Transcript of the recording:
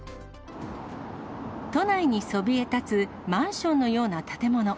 都内にそびえ立つマンションのような建物。